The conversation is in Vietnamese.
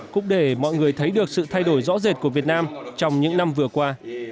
cũng để mọi người thấy được sự thay đổi rõ rệt của việt nam trong những năm vừa qua